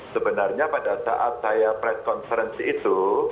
sebenarnya pada saat saya press conference itu